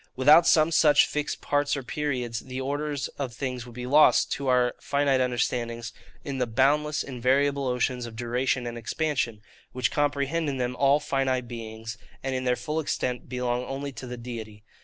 Without some such fixed parts or periods, the order of things would be lost, to our finite understandings, in the boundless invariable oceans of duration and expansion, which comprehend in them all finite beings, and in their full extent belong only to the Deity.